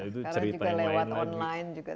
itu cerita yang lain lagi sekarang juga lewat online juga